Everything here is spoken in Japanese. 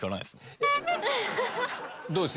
どうです？